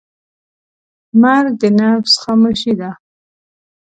مرګ د نفس خاموشي ده.